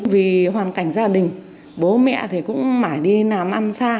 vì hoàn cảnh gia đình bố mẹ thì cũng mãi đi làm ăn xa